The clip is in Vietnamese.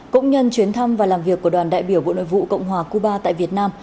cũng nhân chuyến thăm và làm việc của đoàn đại biểu bộ nội vụ cộng hòa cuba tại việt nam